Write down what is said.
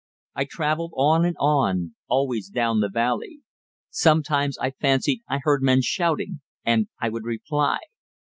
I travelled on and on, always down the valley. Sometimes I fancied I heard men shouting, and I would reply.